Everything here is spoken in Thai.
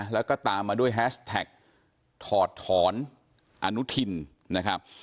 แล้วก็ตามมาด้วยแฮชแท็กถอดถอนอนุทินนะครับ